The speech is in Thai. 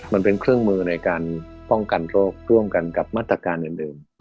มันเป็นเครื่องมือในการป้องกันโรคร่วมกันกับมาตรการอื่น